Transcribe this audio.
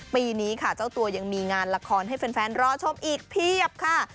ปีนี้ค่ะเจ้าตัวยังมีงานละครให้แฟนรอชมอีกเพียบค่ะ